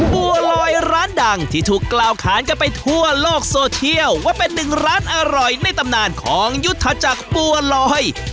บัวลอยร้านดังที่ถูกกล่าวขานกันไปทั่วโลกโซเทียลว่าเป็นหนึ่งร้านอร่อยในตำนานของยุทธจักรบัวลอย